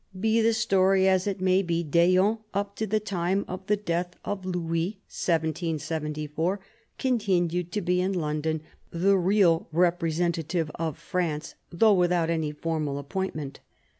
Be the story as it may, d'Eon up to the time of the death of Louis (1774) continued to be in London the real representative of France, though without any formal appointment.